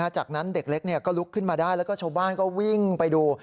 จากนั้นเด็กเล็กก็ลุกขึ้นมาได้แล้วก็ชาวบ้านก็วิ่งไปดู